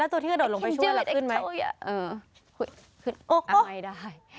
แล้วตัวที่จะดดลงไปช่วยล่ะขึ้นไหมอือขึ้นโอ้โฮไม่ได้